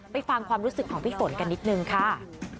ฟังความรู้สึกของพี่ฝนกันนิดนึงค่ะ